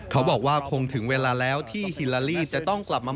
เขาบอกว่าคงถึงเวลาแล้วที่ฮิลาลีจะต้องกลับมา